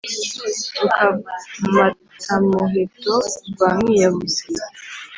rukamatamuheto rwa mwiyahuzi,